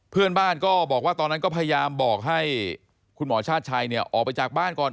เพื่อนบ้านก็บอกว่าตอนนั้นก็พยายามบอกให้คุณหมอชาติชัยเนี่ยออกไปจากบ้านก่อน